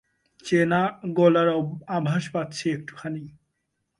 চেনা গলার আভাস পাচ্ছি একটুখানি।